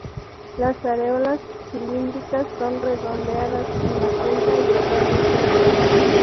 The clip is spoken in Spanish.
Las areolas cilíndricas son redondeadas en la punta y están muy juntas.